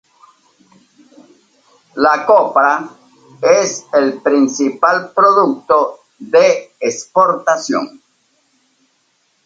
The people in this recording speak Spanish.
La copra es el principal producto de exportación.